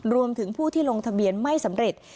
รวมถึงผู้ที่ลงทะเบียนไม่สำเร็จ